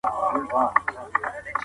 د هغه اثر «العِبر» معروف دی.